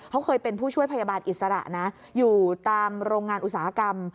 เขาเคยเป็นผู้ช่วยพยาบาลอิสระนะอยู่ตามโรงงานอุตสาหกรรม